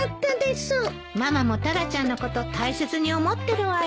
ママもタラちゃんのこと大切に思ってるわよ。